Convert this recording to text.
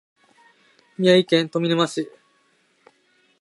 宮城県富谷市